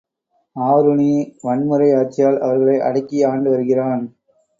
ஆருணி, வன்முறை ஆட்சியால் அவர்களை அடக்கி ஆண்டு வருகிறான்.